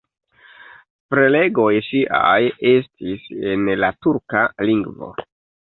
Prelegoj ŝiaj estis en la turka lingvo.